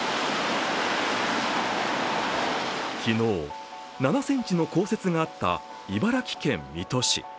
昨日、７ｃｍの降雪があった茨城県水戸市。